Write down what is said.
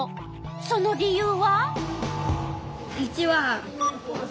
その理由は？